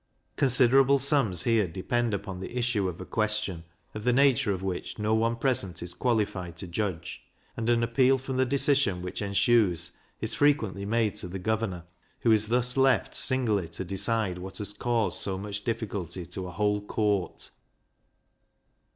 Considerable sums here depend upon the issue of a question, of the nature of which no one present is qualified to judge; and an appeal from the decision which ensues is frequently made to the governor, who is thus left singly to decide what has caused so much difficulty to a whole court!